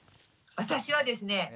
私はですね